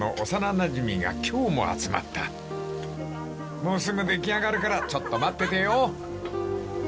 ［もうすぐ出来上がるからちょっと待っててよ］